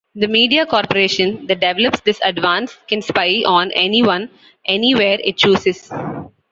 The media corporation that develops this advance can spy on anyone anywhere it chooses.